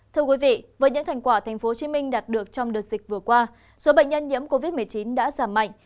thưa quý vị với những thành quả tp hcm đạt được trong đợt dịch vừa qua số bệnh nhân nhiễm covid một mươi chín đã giảm mạnh